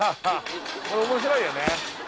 これ面白いよね